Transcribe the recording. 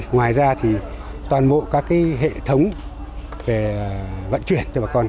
ngoài ra thì toàn bộ các hệ thống về vận chuyển cho bà con